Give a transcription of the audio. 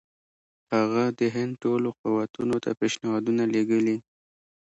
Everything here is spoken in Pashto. هغه د هند ټولو قوتونو ته پېشنهادونه لېږلي.